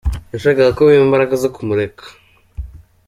Nashakaga ko bimpa imbaraga zo kumureka”.